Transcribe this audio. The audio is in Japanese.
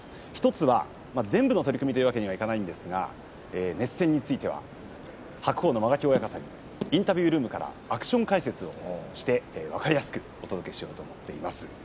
１つは、全部の取組というわけにはいかないんですが熱戦については白鵬の間垣親方にインタビュールームからアクション解説をして分かりやすくお届けしようと思っています。